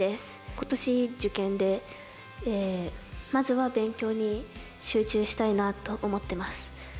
ことし受験で、まずは勉強に集中したいなと思ってます。